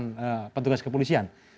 dan petugas kepolisian